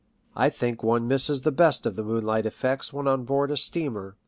I think one misses the best of the moonlight effects when on board a steamer.